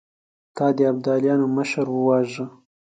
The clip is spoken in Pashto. تا د ابداليانو مشر وواژه!